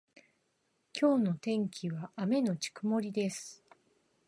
今日の天気は雨のち曇りです。